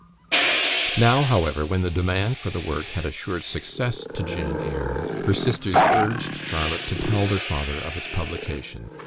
Now, however, when the demand for the work had assured success to "Jane Eyre," her sisters urged Charlotte to tell their father of its publication.